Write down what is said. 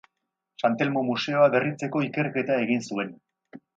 San Telmo Museoa berritzeko ikerketa egin zuen.